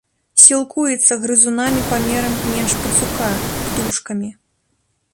Сілкуецца грызунамі памерам менш пацука, птушкамі.